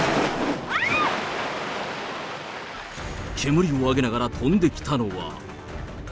煙を上げながら飛んできたのは。